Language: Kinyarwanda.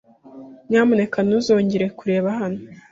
Nyamuneka ntuzongere kureba hano.